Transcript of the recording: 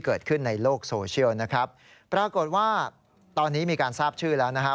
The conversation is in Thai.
เกิดขึ้นในโลกโซเชียลนะครับปรากฏว่าตอนนี้มีการทราบชื่อแล้วนะฮะ